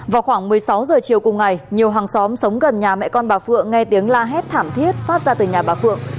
vào khoảng một mươi sáu h chiều cùng ngày nhiều hàng xóm sống gần nhà mẹ con bà phượng nghe tiếng la hét thảm thiết phát ra từ nhà bà phượng